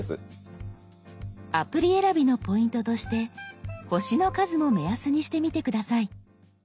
アプリ選びのポイントとして「星の数」も目安にしてみて下さい。